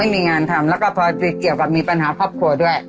ไม่มีงานทำแล้วก็พอเป็นภาครอบครัวด้วย